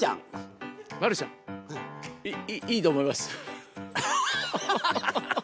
いいいと思います。